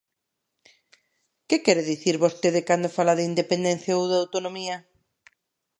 ¿Que quere dicir vostede cando fala de independencia ou de autonomía?